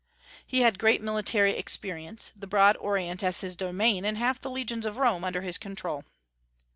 He had great military experience, the broad Orient as his domain, and half the legions of Rome under his control.